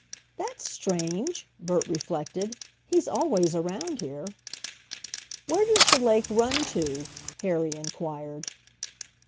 "That's strange," Bert reflected. "He's always around here." "Where does the lake run to?" Harry inquired.